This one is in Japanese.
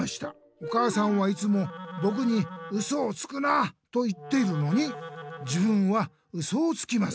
お母さんはいつもぼくに『ウソをつくな！』と言ってるのに自分はウソをつきます。